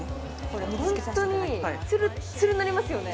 ホントにつるっつるになりますよね